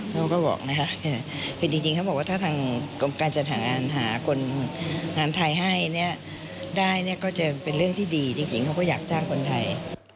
เขาก็บอกนะคะคือจริงเขาบอกว่าถ้าทางกรมการจัดหางานหาคนงานไทยให้เนี่ยได้เนี่ยก็จะเป็นเรื่องที่ดีจริงเขาก็อยากจ้างคนไทย